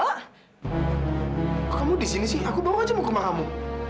ah kok kamu di sini sih aku bawang aja mau ke rumah kamu